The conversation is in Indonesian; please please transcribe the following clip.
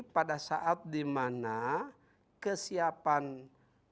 pada saat di mana kesiapan infrastruktural